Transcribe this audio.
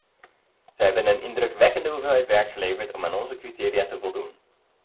Zij hebben een indrukwekkende hoeveelheid werk geleverd om aan onze criteria te voldoen.